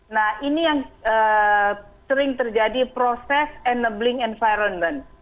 nah ini yang sering terjadi proses enabling environment